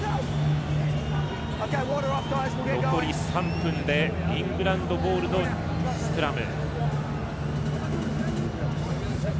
残り３分でイングランドボールのスクラム。